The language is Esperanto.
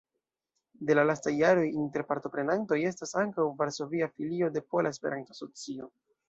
De la lastaj jaroj inter partoprenantoj estas ankaŭ varsovia filio de Pola Esperanto-Asocio.